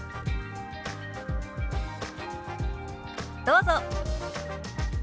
どうぞ。